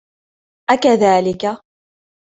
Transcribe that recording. أكذلك؟